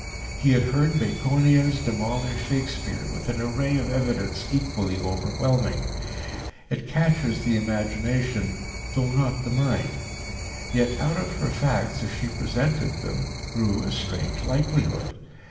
He had heard Baconians demolish Shakespeare with an array of evidence equally overwhelming. It catches the imagination though not the mind. Yet out of her facts, as she presented them, grew a strange likelihood.